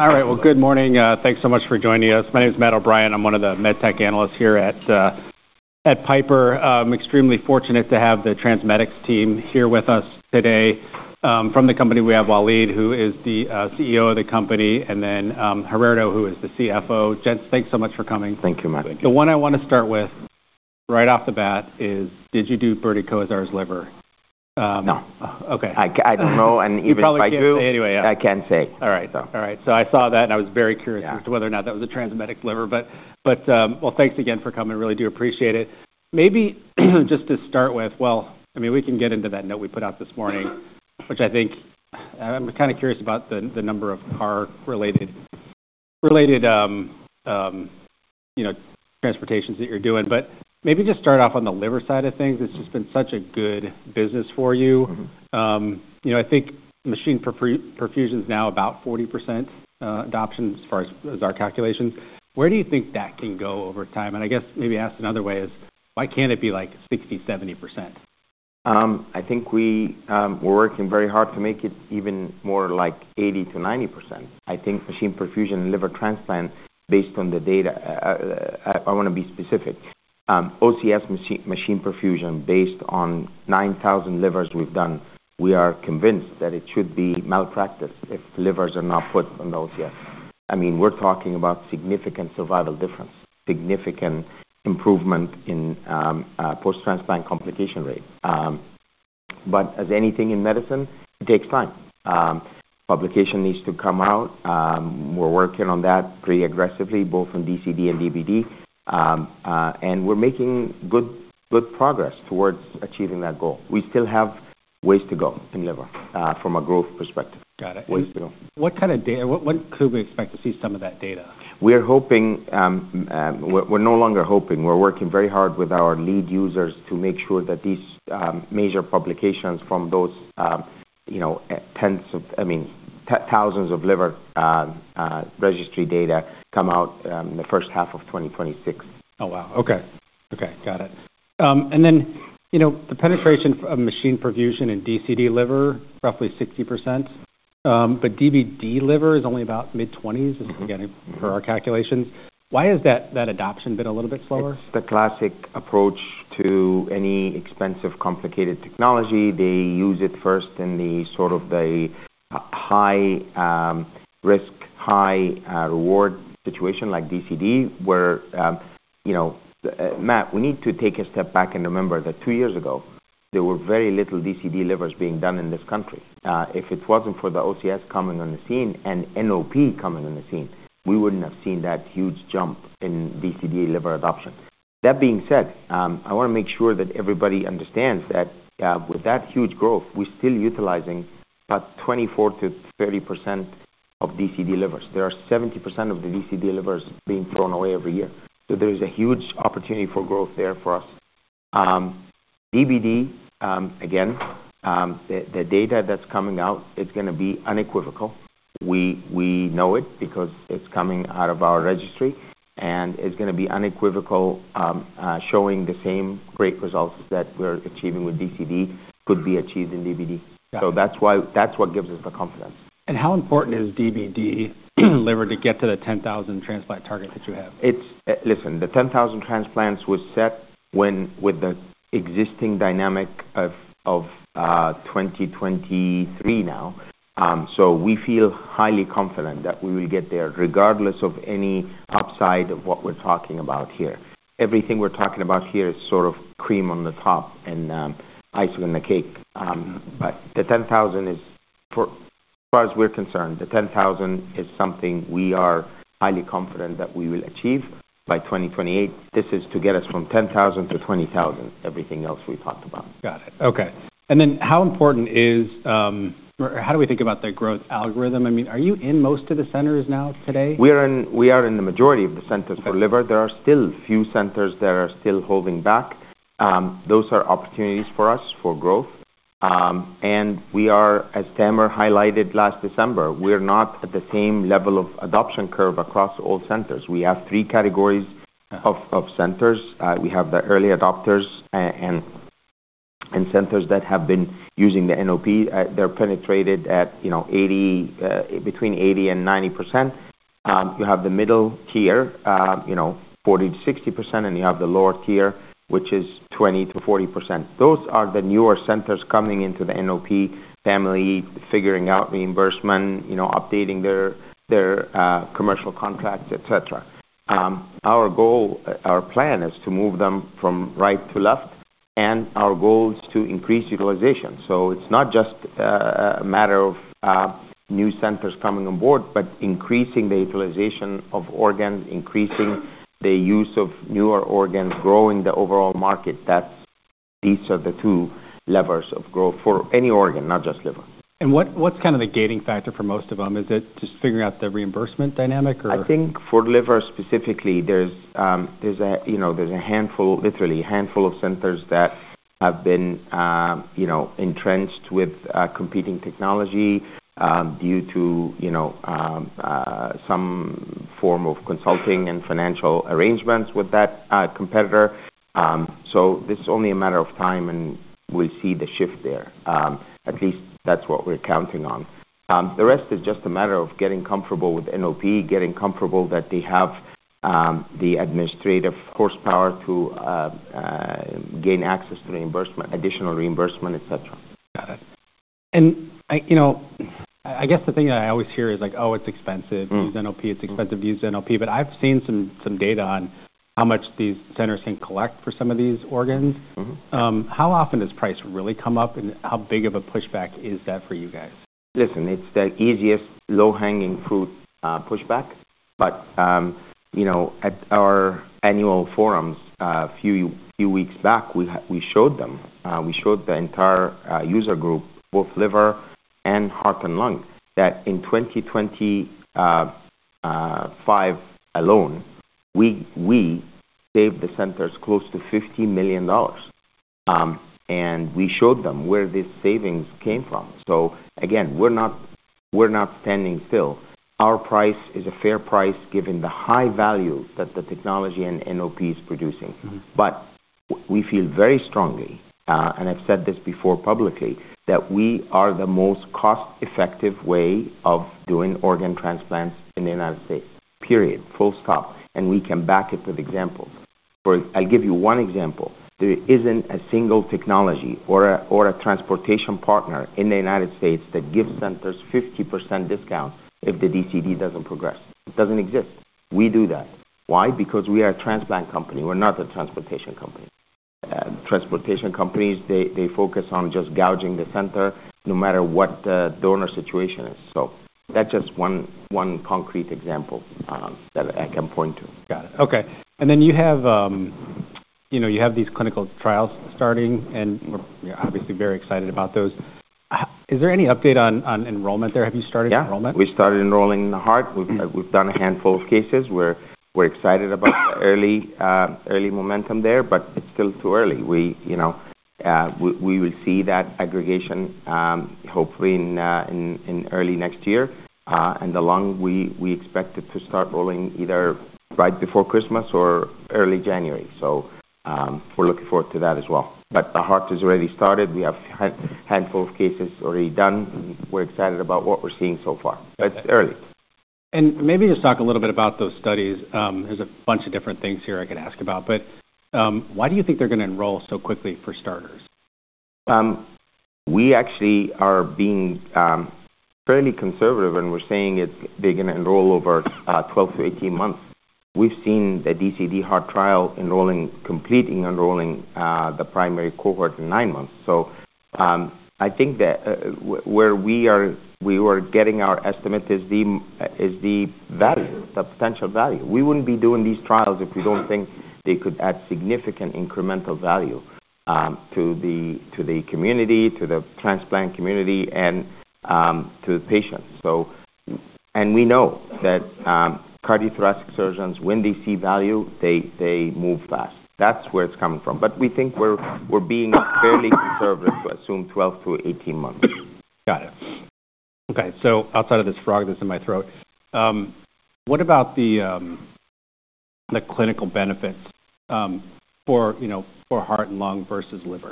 All right. Good morning. Thanks so much for joining us. My name's Matt O'Brien. I'm one of the med tech analysts here at Piper. Extremely fortunate to have the TransMedics team here with us today. From the company we have Waleed, who is the CEO of the company, and then Gerardo, who is the CFO. Gents, thanks so much for coming. Thank you, Matt. The one I wanna start with right off the bat is, did you do Bernie Kosar's liver? No. Okay. I don't know. And even if I do. You probably can't say anyway, yeah. I can't say. All right. So. All right. I saw that, and I was very curious as to whether or not that was a TransMedics liver. Thanks again for coming. Really do appreciate it. Maybe just to start with, I mean, we can get into that note we put out this morning, which I think I'm kind of curious about, the number of car-related, you know, transportations that you're doing. Maybe just start off on the liver side of things. It's just been such a good business for you. You know, I think machine perfusion's now about 40% adoption as far as our calculations. Where do you think that can go over time? I guess maybe asked another way is, why can't it be like 60%-70%? I think we are working very hard to make it even more like 80%-90%. I think machine perfusion and liver transplant, based on the data, I want to be specific. OCS machine perfusion based on 9,000 livers we have done, we are convinced that it should be malpractice if the livers are not put on the OCS. I mean, we are talking about significant survival difference, significant improvement in post-transplant complication rate. As anything in medicine, it takes time. Publication needs to come out. We are working on that pretty aggressively, both in DCD and DBD. We are making good progress towards achieving that goal. We still have ways to go in liver, from a growth perspective. Got it. Ways to go. What kind of data? What, what could we expect to see, some of that data? We're hoping, we're no longer hoping. We're working very hard with our lead users to make sure that these, major publications from those, you know, tens of, I mean, thousands of liver registry data come out, the first half of 2026. Oh, wow. Okay. Okay. Got it. And then, you know, the penetration of machine perfusion in DCD liver, roughly 60%. But DBD liver is only about mid-20s, is getting for our calculations. Why has that, that adoption been a little bit slower? It's the classic approach to any expensive, complicated technology. They use it first in the sort of the, high, risk, high, reward situation like DCD, where, you know, Matt, we need to take a step back and remember that two years ago, there were very little DCD livers being done in this country. If it wasn't for the OCS coming on the scene and NOP coming on the scene, we wouldn't have seen that huge jump in DCD liver adoption. That being said, I wanna make sure that everybody understands that, with that huge growth, we're still utilizing about 24%-30% of DCD livers. There are 70% of the DCD livers being thrown away every year. There is a huge opportunity for growth there for us. DBD, again, the data that's coming out, it's gonna be unequivocal. We know it because it's coming out of our registry, and it's gonna be unequivocal, showing the same great results that we're achieving with DCD could be achieved in DBD. Got it. That is why, that is what gives us the confidence. How important is DBD liver to get to the 10,000 transplant target that you have? Listen, the 10,000 transplants was set with the existing dynamic of 2023 now. We feel highly confident that we will get there regardless of any upside of what we're talking about here. Everything we're talking about here is sort of cream on the top and icing on the cake. The 10,000 is, as far as we're concerned, something we are highly confident that we will achieve by 2028. This is to get us from 10,000-20,000, everything else we talked about. Got it. Okay. How important is, or how do we think about the growth algorithm? I mean, are you in most of the centers now today? We are in, we are in the majority of the centers for liver. There are still few centers that are still holding back. Those are opportunities for us for growth. We are, as Tamer highlighted last December, we're not at the same level of adoption curve across all centers. We have three categories. Of centers. We have the early adopters, and centers that have been using the NOP. They are penetrated at, you know, 80%-90%. You have the middle tier, you know, 40%-60%, and you have the lower tier, which is 20%-40%. Those are the newer centers coming into the NOP family, figuring out reimbursement, you know, updating their Commercial Contracts, etc. Our goal, our plan is to move them from right to left, and our goal is to increase utilization. It is not just a matter of new centers coming on board, but increasing the utilization of organs, increasing the use of newer organs, growing the overall market. These are the two levers of growth for any organ, not just liver. What is kinda the gating factor for most of them? Is it just figuring out the reimbursement dynamic or? I think for liver specifically, there's, you know, there's a handful, literally a handful of centers that have been entrenched with competing technology, due to some form of consulting and financial arrangements with that competitor. This is only a matter of time, and we'll see the shift there. At least that's what we're counting on. The rest is just a matter of getting comfortable with NOP, getting comfortable that they have the Administrative Horsepower to gain access to reimbursement, additional reimbursement, etc. Got it. I guess the thing that I always hear is like, "Oh, it's expensive NOP. It's expensive use NOP." I've seen some data on how much these centers can collect for some of these organs. How often does price really come up, and how big of a pushback is that for you guys? Listen, it's the easiest low-hanging fruit, pushback. But, you know, at our annual forums, a few weeks back, we showed them, we showed the entire user group, both liver and heart and lung, that in 2025 alone, we saved the centers close to $50 million. We showed them where these savings came from. Again, we're not standing still. Our price is a fair price given the high value that the technology and NOP is producing. We feel very strongly, and I've said this before publicly, that we are the most cost-effective way of doing organ transplants in the United States, period, full stop. We can back it with examples. I'll give you one example. There isn't a single technology or a transportation partner in the United States that gives centers a 50% discount if the DCD doesn't progress. It doesn't exist. We do that. Why? Because we are a transplant company. We're not a transportation company. Transportation companies, they focus on just gouging the center no matter what the donor situation is. That's just one concrete example that I can point to. Got it. Okay. You have, you know, you have these clinical trials starting, and we're obviously very excited about those. Is there any update on enrollment there? Have you started enrollment? Yeah. We started enrolling in the heart. Okay. We've done a handful of cases. We're excited about the early, early momentum there, but it's still too early. You know, we will see that aggregation, hopefully in early next year. The lung, we expect it to start rolling either right before Christmas or early January. We're looking forward to that as well. The heart has already started. We have a handful of cases already done, and we're excited about what we're seeing so far. It's early. Maybe just talk a little bit about those studies. There's a bunch of different things here I could ask about. Why do you think they're gonna enroll so quickly for starters? We actually are being fairly conservative, and we're saying it's they're gonna enroll over 12-18 months. We've seen the DCD heart trial enrolling, completing enrolling the primary cohort in nine months. I think that where we are, we were getting our estimate is the value, the potential value. We wouldn't be doing these trials if we don't think they could add significant incremental value to the community, to the transplant community, and to the patients. We know that Cardiothoracic Surgeons, when they see value, they move fast. That's where it's coming from. We think we're being fairly conservative to assume 12-18 months. Got it. Okay. Outside of this frog that's in my throat, what about the clinical benefits, you know, for heart and lung versus liver?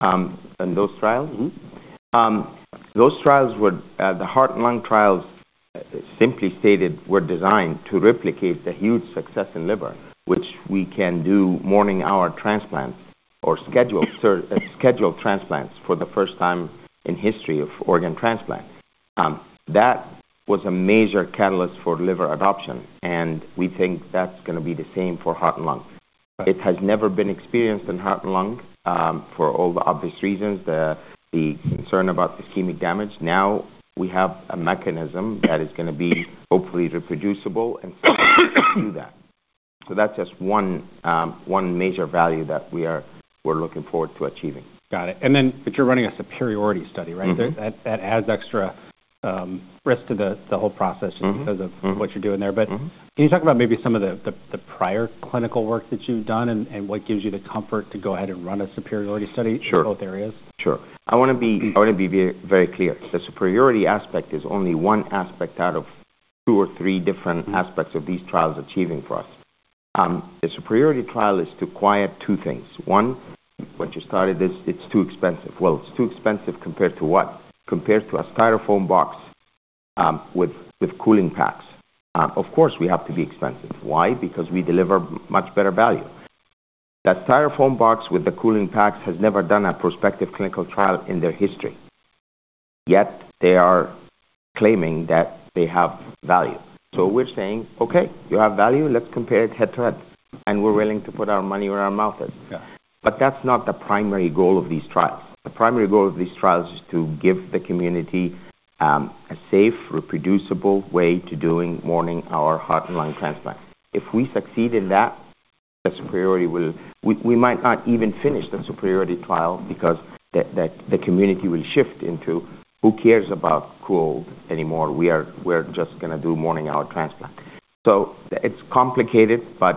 And those trials? Those trials were, the heart and lung trials, simply stated, were designed to replicate the huge success in liver, which we can do morning-hour transplants or scheduled, scheduled transplants for the first time in history of organ transplant. That was a major catalyst for liver adoption, and we think that's gonna be the same for heart and lung. Okay. It has never been experienced in heart and lung, for all the obvious reasons, the concern about ischemic damage. Now we have a mechanism that is gonna be hopefully reproducible and that's just one major value that we are, we're looking forward to achieving. Got it. You are running a superiority study, right? That adds extra risk to the whole process just because of what you're doing there. Can you talk about maybe some of the prior clinical work that you've done and what gives you the comfort to go ahead and run a superiority study? Sure. In both areas? Sure. I want to be. I want to be very clear. The superiority aspect is only one aspect out of two or three different aspects of these trials achieving for us. The superiority trial is to acquire two things. One, what you started is it's too expensive. It's too expensive compared to what? Compared to a Styrofoam box, with cooling packs. Of course, we have to be expensive. Why? Because we deliver much better value. That Styrofoam box with the cooling packs has never done a prospective clinical trial in their history. Yet they are claiming that they have value. We are saying, "Okay. You have value. Let's compare it head-to-head." We are willing to put our money where our mouth is. Got it. That's not the primary goal of these trials. The primary goal of these trials is to give the community a safe, reproducible way to doing morning-hour heart and lung transplant. If we succeed in that, the superiority will, we might not even finish the superiority trial because the community will shift into, "Who cares about cold anymore? We are, we're just gonna do morning-hour transplant." It's complicated, but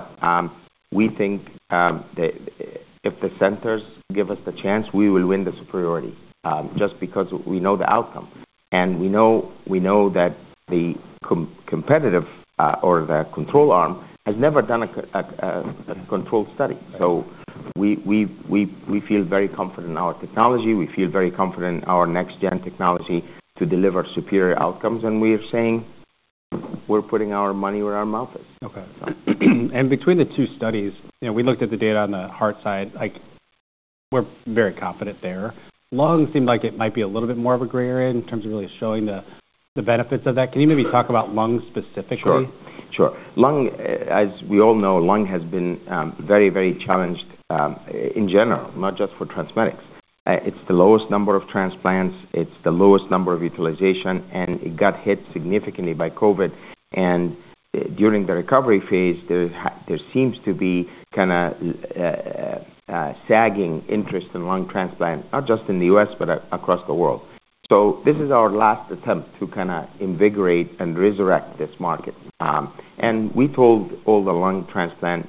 we think if the centers give us the chance, we will win the superiority, just because we know the outcome. And we know that the competitive, or the control arm has never done a control study. We feel very confident in our technology. We feel very confident in our next-gen technology to deliver superior outcomes. We are saying we're putting our money where our mouth is. Okay. Between the two studies, you know, we looked at the data on the heart side. Like, we're very confident there. Lung seemed like it might be a little bit more of a gray area in terms of really showing the, the benefits of that. Can you maybe talk about lung specifically? Sure. Sure. Lung, as we all know, lung has been very, very challenged, in general, not just for transplants. It's the lowest number of transplants. It's the lowest number of utilization. And it got hit significantly by COVID. During the recovery phase, there seems to be kind of a sagging interest in lung transplant, not just in the U.S. but across the world. This is our last attempt to kind of invigorate and resurrect this market. We told all the lung transplant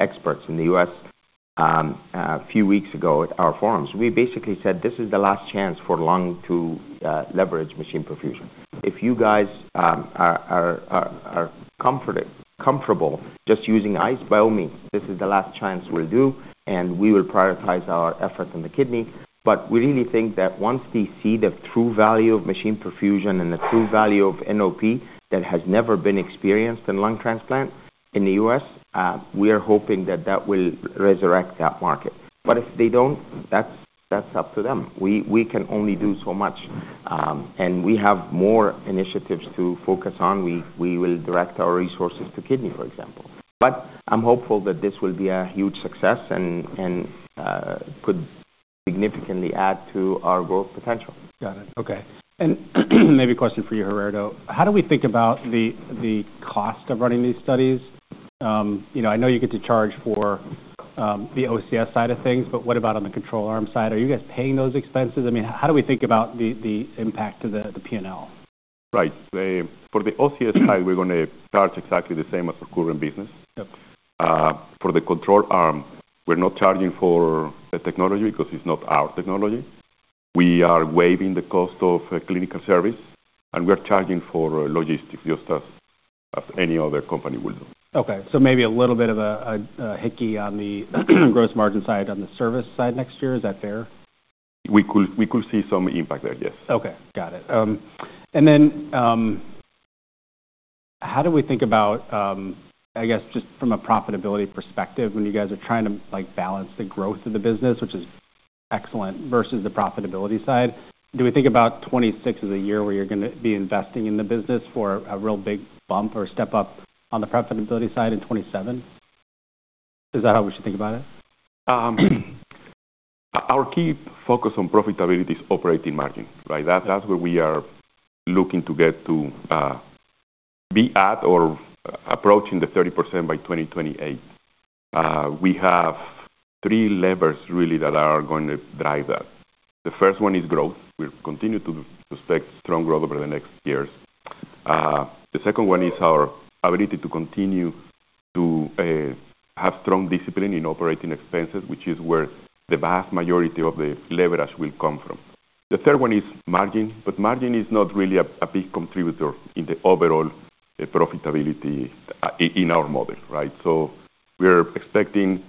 experts in the U.S. a few weeks ago at our forums. We basically said, "This is the last chance for lung to leverage machine perfusion." If you guys are comfortable just using ice by all means, this is the last chance we'll do, and we will prioritize our effort on the kidney. I really think that once they see the true value of machine perfusion and the true value of NOP that has never been experienced in lung transplant in the U.S., we are hoping that that will resurrect that market. If they don't, that's up to them. We can only do so much. We have more initiatives to focus on. We will direct our resources to kidney, for example. I'm hopeful that this will be a huge success and could significantly add to our growth potential. Got it. Okay. Maybe a question for you, Gerardo. How do we think about the, the cost of running these studies? You know, I know you get to charge for the OCS side of things, but what about on the control arm side? Are you guys paying those expenses? I mean, how do we think about the, the impact to the, the P&L? Right. For the OCS side, we're gonna charge exactly the same as our current business. Yep. For the control arm, we're not charging for the technology because it's not our technology. We are waiving the cost of clinical service, and we are charging for logistics just as any other company will do. Okay. Maybe a little bit of a hickey on the gross margin side on the service side next year. Is that fair? We could see some impact there. Yes. Okay. Got it. And then, how do we think about, I guess just from a profitability perspective, when you guys are trying to, like, balance the growth of the business, which is excellent, versus the profitability side? Do we think about 2026 as a year where you're gonna be investing in the business for a real big bump or step up on the profitability side in 2027? Is that how we should think about it? Our key focus on profitability is operating margin, right? That, that's where we are looking to get to, be at or approaching the 30% by 2028. We have three levers, really, that are gonna drive that. The first one is growth. We'll continue to, to expect strong growth over the next years. The second one is our ability to continue to have strong discipline in operating expenses, which is where the vast majority of the leverage will come from. The third one is margin. Margin is not really a big contributor in the overall profitability in our model, right? We are expecting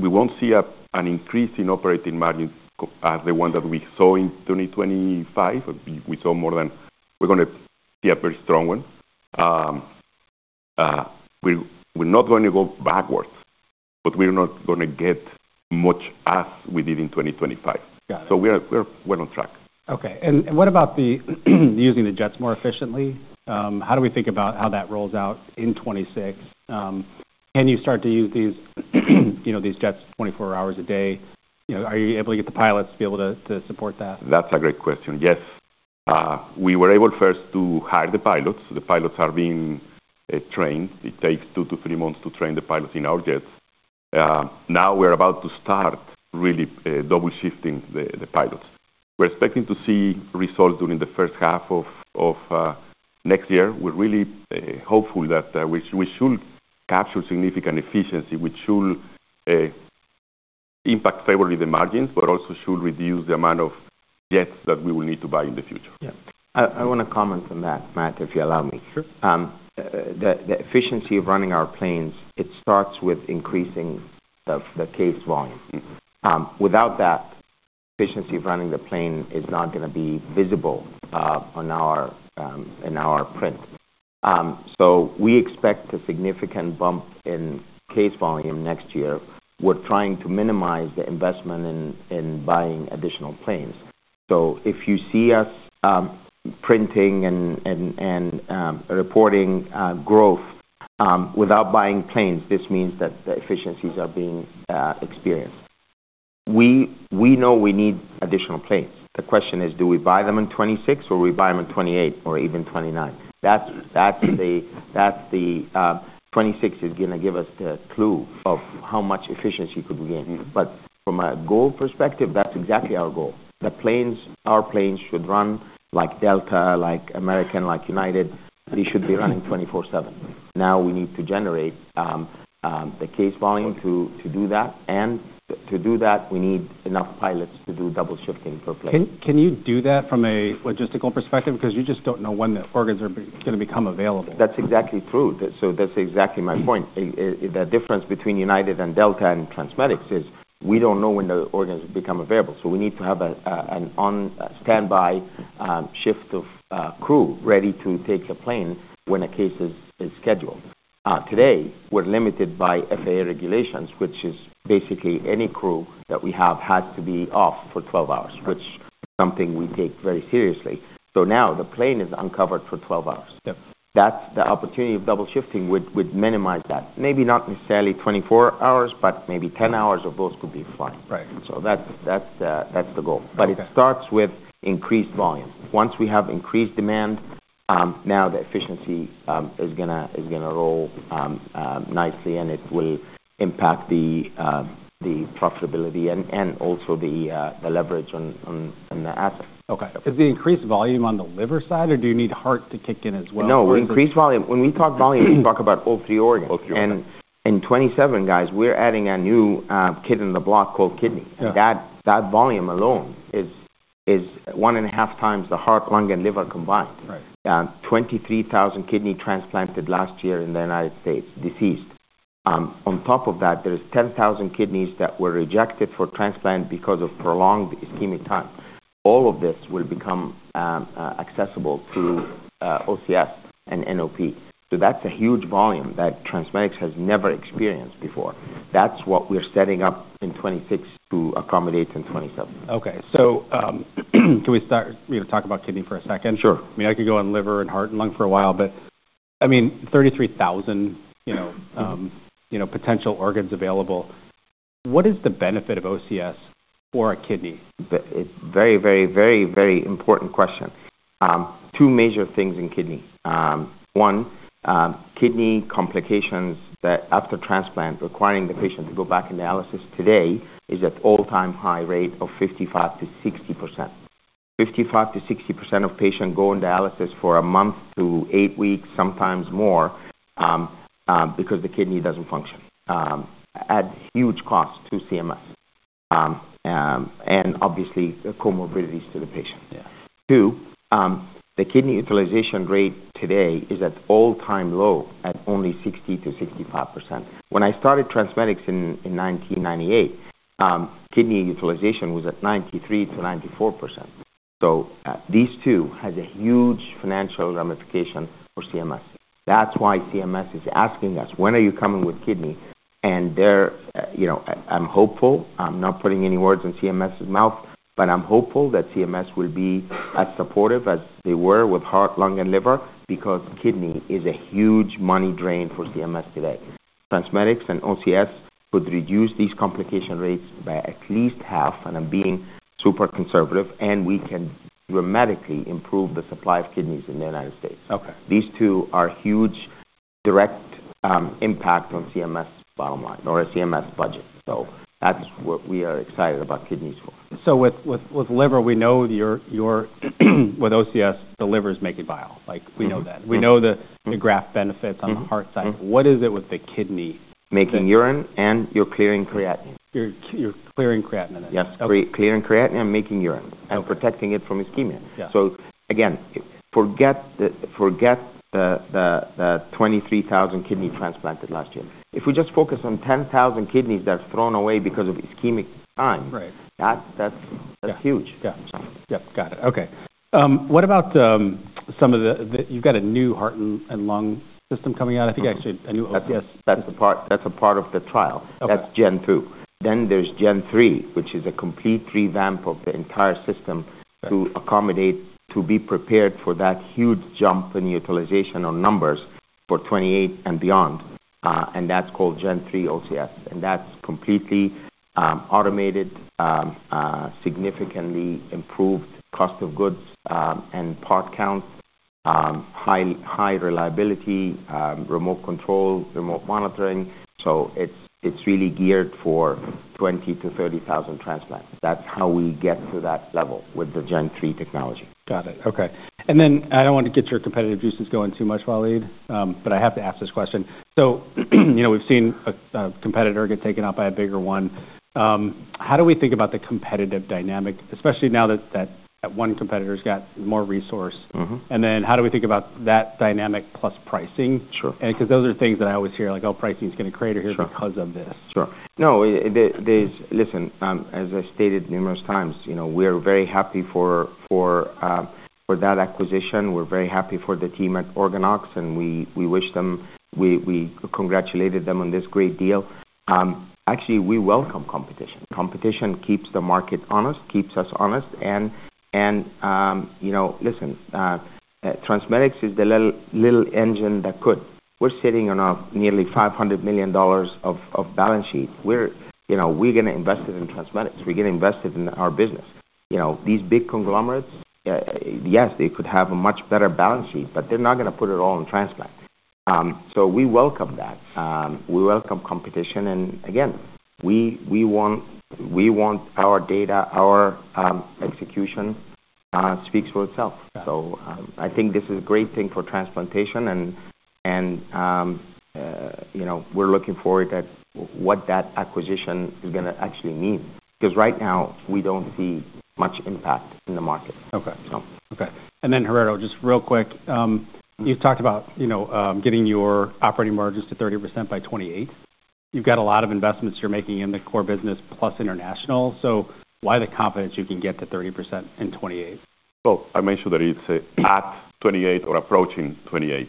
we won't see an increase in operating margin as the one that we saw in 2025. We saw more than we're gonna see a very strong one. We're not gonna go backwards, but we're not gonna get as much as we did in 2025. Got it. We are well on track. Okay. And what about the using the jets more efficiently? How do we think about how that rolls out in 2026? Can you start to use these, you know, these jets 24 hours a day? You know, are you able to get the pilots to be able to, to support that? That's a great question. Yes, we were able first to hire the pilots. The pilots are being trained. It takes two to three months to train the pilots in our jets. Now we're about to start really double-shifting the pilots. We're expecting to see results during the first half of next year. We're really hopeful that we should capture significant efficiency, which should impact favorably the margins but also should reduce the amount of jets that we will need to buy in the future. Yeah. I want to comment on that, Matt, if you allow me. Sure. The efficiency of running our planes, it starts with increasing the case volume. Without that, efficiency of running the plane is not gonna be visible, on our, in our print. We expect a significant bump in case volume next year. We're trying to minimize the investment in buying additional planes. If you see us printing and reporting growth without buying planes, this means that the efficiencies are being experienced. We know we need additional planes. The question is, do we buy them in 2026, or will we buy them in 2028 or even 2029? That's the, that's the, 2026 is gonna give us the clue of how much efficiency could we gain. From a goal perspective, that's exactly our goal. The planes, our planes should run like Delta, like American, like United. They should be running 24/7. Now we need to generate the case volume to do that. To do that, we need enough pilots to do double-shifting per plane. Can you do that from a logistical perspective? Because you just don't know when the organs are gonna become available. That's exactly true. That's exactly my point. The difference between United and Delta and TransMedics is we don't know when the organs will become available. So we need to have a, a, on standby, shift of crew ready to take the plane when a case is scheduled. Today, we're limited by FAA regulations, which is basically any crew that we have has to be off for 12 hours, which is something we take very seriously. Now the plane is uncovered for 12 hours. Yep. That's the opportunity of double-shifting would minimize that. Maybe not necessarily 24 hours, but maybe 10 hours of those could be flying. Right. That's the goal. Right. It starts with increased volume. Once we have increased demand, now the efficiency is gonna roll nicely, and it will impact the profitability and also the leverage on the asset. Okay. Is the increased volume on the liver side, or do you need heart to kick in as well? No. Or is it? Increased volume. When we talk volume, we talk about all three organs. All three organs. In 2027, guys, we're adding a new kid in the block called kidney. Yeah. That volume alone is one and a half times the heart, lung, and liver combined. Right. 23,000 kidneys transplanted last year in the United States, deceased. On top of that, there's 10,000 kidneys that were rejected for transplant because of prolonged ischemic time. All of this will become accessible through OCS and NOP. That's a huge volume that TransMedics has never experienced before. That's what we're setting up in 2026 to accommodate in 2027. Okay. Can we start, you know, talk about kidney for a second? Sure. I mean, I could go on liver and heart and lung for a while, but I mean, 33,000, you know, You know, potential organs available. What is the benefit of OCS for a kidney? It's very, very, very, very important question. Two major things in kidney. One, kidney complications that after transplant requiring the patient to go back in dialysis today is at all-time high rate of 55%-60%. 55%-60% of patients go in dialysis for a month to eight weeks, sometimes more, because the kidney doesn't function. At huge cost to CMS, and obviously comorbidities to the patient. Yeah. Two, the kidney utilization rate today is at all-time low at only 60%-65%. When I started TransMedics in 1998, kidney utilization was at 93%-94%. These two have a huge financial ramification for CMS. That is why CMS is asking us, "When are you coming with kidney?" You know, I am hopeful. I am not putting any words in CMS's mouth, but I am hopeful that CMS will be as supportive as they were with heart, lung, and liver because kidney is a huge money drain for CMS today. TransMedics and OCS could reduce these complication rates by at least half, and I am being super conservative, and we can dramatically improve the supply of kidneys in the United States. Okay. These two are huge direct impact on CMS bottom line or CMS budget. That's what we are excited about kidneys for. With liver, we know with OCS, the liver is making bile. Like, we know that. We know the graft benefits on the heart side. What is it with the kidney? Making urine and you're clearing creatinine. You're clearing creatinine? Yes. Okay. Clearing creatinine and making urine. Okay. Protecting it from ischemia. Yeah. I forget the, forget the 23,000 kidney transplanted last year. If we just focus on 10,000 kidneys that are thrown away because of ischemic time. Right. That's huge gap. Yep. Got it. Okay. What about, some of the, the you've got a new heart and, and lung system coming out, I think, actually, a new OCS? That's the part that's a part of the trial. Okay. That's Gen2. There is Gen3, which is a complete revamp of the entire system to accommodate, to be prepared for that huge jump in utilization on numbers for 2028 and beyond. That is called Gen3 OCS. That is completely automated, significantly improved cost of goods, and part counts, high, high reliability, remote control, remote monitoring. It is really geared for 20,000-30,000 transplants. That is how we get to that level with the Gen3 technology. Got it. Okay. I don't wanna get your competitive juices going too much, Waleed, but I have to ask this question. You know, we've seen a competitor get taken out by a bigger one. How do we think about the competitive dynamic, especially now that that one competitor's got more resource? How do we think about that dynamic plus pricing? Sure. 'Cause those are things that I always hear, like, "Oh, pricing's gonna create a huge because of this." Sure. No, listen, as I stated numerous times, you know, we are very happy for that acquisition. We're very happy for the team at OrganOx, and we congratulated them on this great deal. Actually, we welcome competition. Competition keeps the market honest, keeps us honest. You know, listen, TransMedics is the little engine that could. We're sitting on nearly $500 million of balance sheet. We're gonna invest it in TransMedics. We're gonna invest it in our business. You know, these big conglomerates, yes, they could have a much better balance sheet, but they're not gonna put it all on transplant. We welcome that. We welcome competition. Again, we want our data, our execution, speaks for itself. Yeah. I think this is a great thing for transplantation. And, you know, we're looking forward at what that acquisition is gonna actually mean. 'Cause right now, we don't see much impact in the market. Okay. So. Okay. Gerardo, just real quick, you've talked about, you know, getting your operating margins to 30% by 2028. You've got a lot of investments you're making in the core business plus international. Why the confidence you can get to 30% in 2028? I mentioned that it's at 2028 or approaching 2028,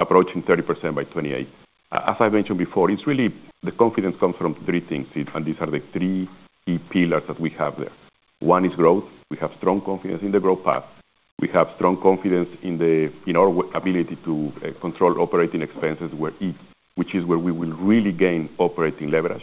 approaching 30% by 2028. As I've mentioned before, the confidence comes from three things, and these are the three key pillars that we have there. One is growth. We have strong confidence in the growth path. We have strong confidence in our ability to control operating expenses, which is where we will really gain operating leverage.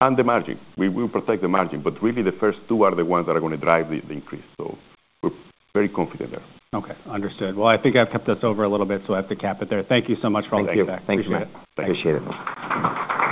And the margin. We will protect the margin. Really, the first two are the ones that are gonna drive the increase. We are very confident there. Okay. Understood. I think I've kept us over a little bit, so I have to cap it there. Thank you so much for all the feedback. Thank you. Thank you, Matt. Appreciate it. Appreciate it.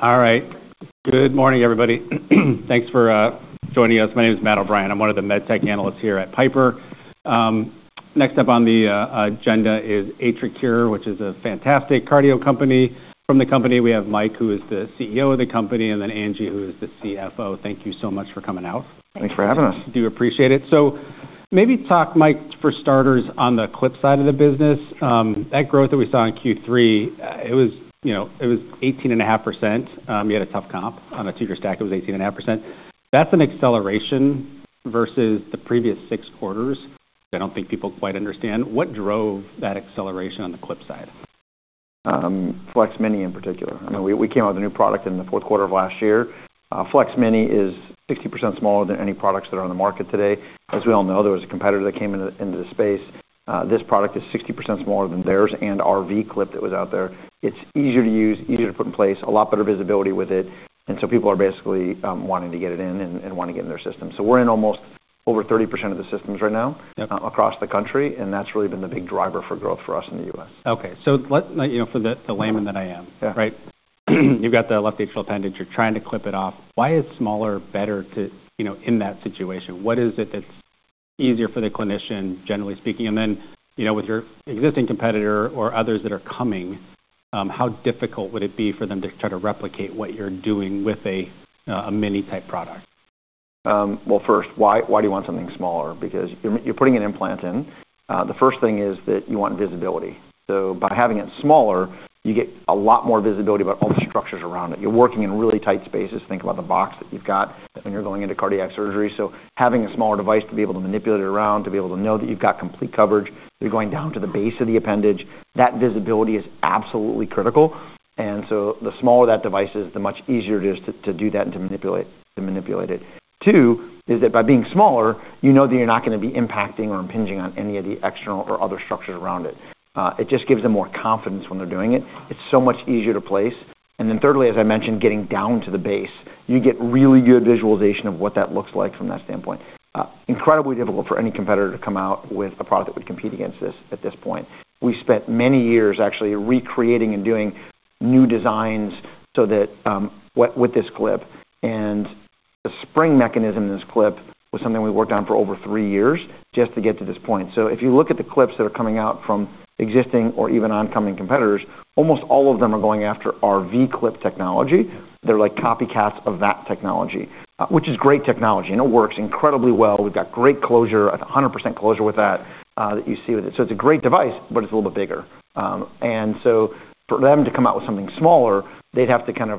All right. Good morning, everybody. Thanks for joining us. My name is Matt O'Brien. I'm one of the med tech analysts here at Piper. Next up on the agenda is AtriCure, which is a fantastic cardio company. From the company, we have Mike, who is the CEO of the company, and then Angie, who is the CFO. Thank you so much for coming out. Thanks for having us. Do appreciate it. Maybe talk, Mike, for starters, on the clip side of the business. That growth that we saw in Q3, it was, you know, it was 18.5%. You had a tough comp on a two-year stack. It was 18.5%. That's an acceleration versus the previous six quarters. I don't think people quite understand. What drove that acceleration on the clip side? FLEX-Mini in particular. I mean, we came out with a new product in the fourth quarter of last year. FLEX-Mini is 60% smaller than any products that are on the market today. As we all know, there was a competitor that came into the space. This product is 60% smaller than theirs and our V clip that was out there. It is easier to use, easier to put in place, a lot better visibility with it. People are basically wanting to get it in and wanting it in their system. We are in almost over 30% of the systems right now. Across the country. That has really been the big driver for growth for us in the U.S.. Okay. Let my, you know, for the, the layman that I am. Right? You've got the left atrial appendage. You're trying to clip it off. Why is smaller better to, you know, in that situation? What is it that's easier for the clinician, generally speaking? You know, with your existing competitor or others that are coming, how difficult would it be for them to try to replicate what you're doing with a, a mini-type product? First, why do you want something smaller? Because you're putting an implant in. The first thing is that you want visibility. By having it smaller, you get a lot more visibility about all the structures around it. You're working in really tight spaces. Think about the box that you've got when you're going into cardiac surgery. Having a smaller device to be able to manipulate it around, to be able to know that you've got complete coverage, you're going down to the base of the appendage, that visibility is absolutely critical. The smaller that device is, the much easier it is to do that and to manipulate it. Two, is that by being smaller, you know that you're not gonna be impacting or impinging on any of the external or other structures around it. It just gives them more confidence when they're doing it. It's so much easier to place. Thirdly, as I mentioned, getting down to the base, you get really good visualization of what that looks like from that standpoint. Incredibly difficult for any competitor to come out with a product that would compete against this at this point. We spent many years actually recreating and doing new designs so that, with this clip. The spring mechanism in this clip was something we worked on for over three years just to get to this point. If you look at the clips that are coming out from existing or even oncoming competitors, almost all of them are going after our V clip technology. They're like copycats of that technology, which is great technology. It works incredibly well. We've got great closure, a 100% closure with that, that you see with it. It is a great device, but it's a little bit bigger, and for them to come out with something smaller, they'd have to kind of.